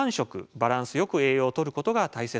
バランスよく栄養をとることが大切です。